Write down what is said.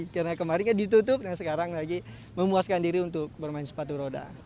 karena kemarin ditutup sekarang lagi memuaskan diri untuk bermain sepatu roda